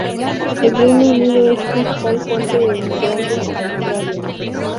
El Reino Unido es la principal fuente de inmigrantes en Australia.